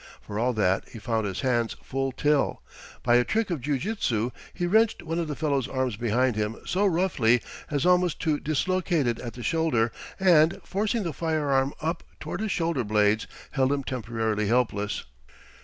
For all that he found his hands full till, by a trick of jiu jitsu, he wrenched one of the fellow's arms behind him so roughly as almost to dislocate it at the shoulder and, forcing the forearm up toward his shoulder blades, held him temporarily helpless.